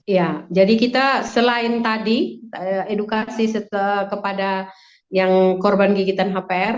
ya jadi kita selain tadi edukasi kepada yang korban gigitan hpr